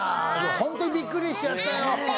ほんとにびっくりしちゃったよ。